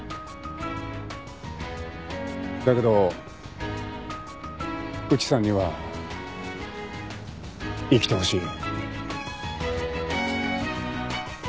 だけど内さんには生きてほしい。